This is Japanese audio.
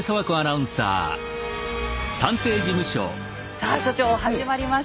さあ所長始まりました。